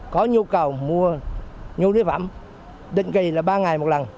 có nhu cầu mua nhu yếu phẩm định kỳ là ba ngày một lần